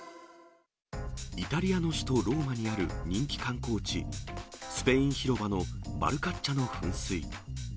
イタリアの首都ローマにある人気観光地、スペイン広場のバルカッチャの噴水。